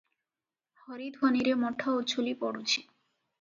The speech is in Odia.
ହରିଧ୍ୱନିରେ ମଠ ଉଛୁଳି ପଡ଼ୁଛି ।